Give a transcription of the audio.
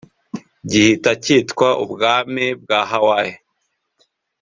gihita cyitwa ubwami bwa Hawaii